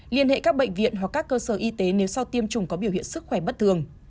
liên hệ các bệnh viện hoặc các cơ sở y tế nếu sau tiêm chủng có biểu hiện sức khỏe bất thường